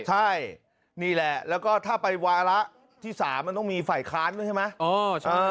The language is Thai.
ใช่นี่แหละแล้วก็ถ้าไปวาระที่๓มันต้องมีฝ่ายค้านด้วยใช่ไหม